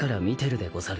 でござる。